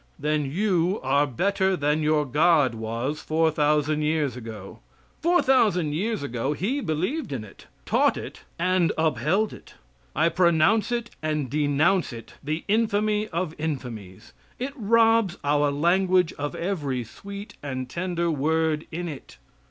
Then you are better than your God was four thousand years ago. Four thousand years ago he believed in it, taught it and upheld it. I pronounce it and denounce it the infamy of infamies. It robs our language of every sweet and tender word in it.